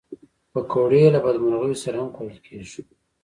پکورې له بدمرغیو سره هم خوړل کېږي